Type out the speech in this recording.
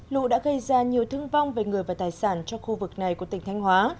lũ đã gây ra nhiều thương vong về người và tài sản cho khu vực này của tỉnh thanh hóa